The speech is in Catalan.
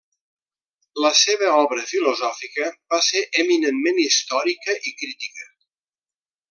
La seva obra filosòfica va ser eminentment històrica i crítica.